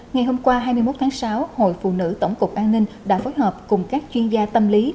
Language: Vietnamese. ngày hôm qua hai mươi một tháng sáu hội phụ nữ tổng cục an ninh đã phối hợp cùng các chuyên gia tâm lý